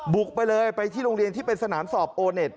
บุกไปเลยไปที่โรงเรียนที่เป็นสนามสอบโอเน็ต